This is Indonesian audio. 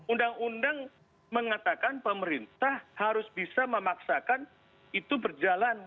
undang undang mengatakan pemerintah harus bisa memaksakan itu berjalan